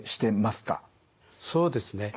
そうですね。